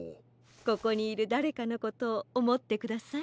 ここにいるだれかのことをおもってください。